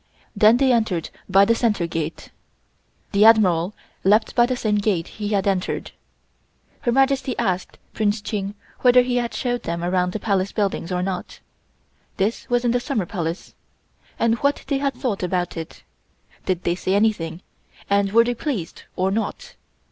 Then they entered by the center gate. The Admiral left by the same gate he had entered. Her Majesty asked Prince Ching whether he had showed them around the Palace buildings or not (this was in the Summer Palace), and what they had thought about it. Did they say anything, and were they pleased or not.